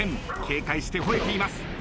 警戒して吠えています。